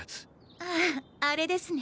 あぁあれですね。